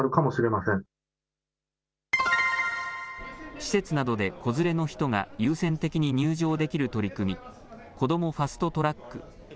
施設などで子連れの人が優先的に入場できる取り組み、こどもファスト・トラック。